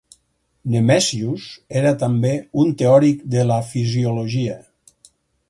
Nemesius era també un teòric de la fisiologia.